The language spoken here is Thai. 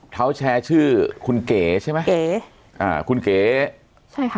เขาแชร์ชื่อคุณเก๋ใช่ไหมเก๋อ่าคุณเก๋ใช่ค่ะ